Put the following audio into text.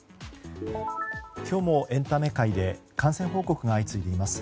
今日もエンタメ界で感染報告が相次いでいます。